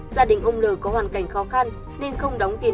gia đình ông l có hoàn cảnh khó khăn nên không đóng tiền